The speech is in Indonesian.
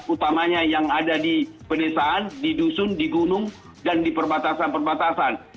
utamanya yang ada di pedesaan di dusun di gunung dan di perbatasan perbatasan